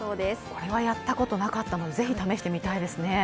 これはやったことなかったので、ぜひ試してみたいですね。